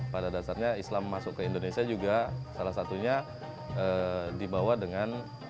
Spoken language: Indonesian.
pada dasarnya islam masuk ke indonesia juga salah satunya dibawa dengan